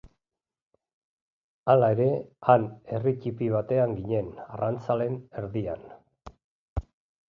Hala ere, han herri ttipi batean ginen, arrantzaleen erdian.